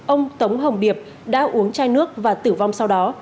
ông tống hồng điệp đã uống chai nước và tử vong sau đó